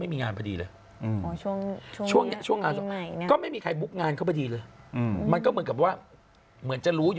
วันวันเสาร์ไหมฮะวันเสาร์เออวันที่ยี่สิบเก้าวันเสาร์